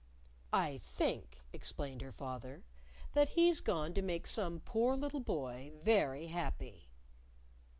"I think," explained her father, "that he's gone to make some poor little boy very happy."